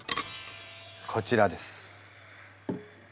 こちらです。